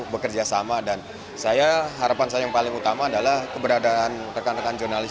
bekerja sama dan saya harapan saya yang paling utama adalah keberadaan rekan rekan jurnalis